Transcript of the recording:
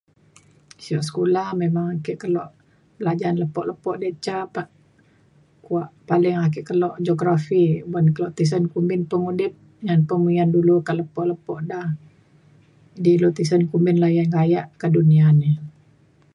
sio sekula memang ake kelo belajan lepo lepo diak ca pak- kuak paling ake kelo Geografi uban ko tisen kumbin pengudip ngan pemuyan dulu kak lepo lepo da. di lu tisen kumbin layan gayak kak dunia ni.